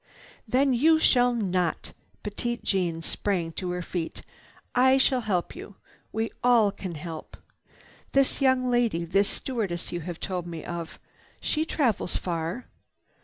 "Then you shall not!" Petite Jeanne sprang to her feet. "I shall help you. We all can help. This young lady, this stewardess you have told me of, she travels far.